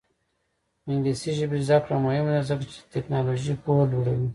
د انګلیسي ژبې زده کړه مهمه ده ځکه چې تکنالوژي پوهه لوړوي.